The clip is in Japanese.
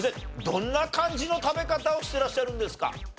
どんな感じの食べ方をしていらっしゃるんですか？